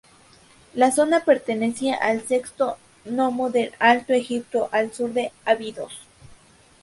La zona pertenecía al sexto nomo del Alto Egipto, al sur de Abidos.